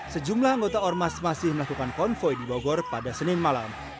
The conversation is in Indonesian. sejumlah anggota ormas masih melakukan konvoy di bogor pada senin malam